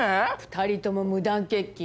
２人とも無断欠勤。